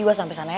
gua sampe sana ya